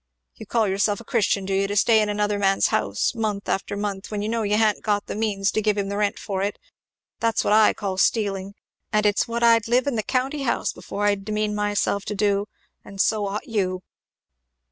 You call yourself a Christian, do you, to stay in another man's house, month after month, when you know you ha'n't got the means to give him the rent for it! That's what I call stealing, and it's what I'd live in the County House before I'd demean myself to do I and so ought you."